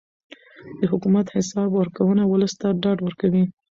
د حکومت حساب ورکونه ولس ته ډاډ ورکوي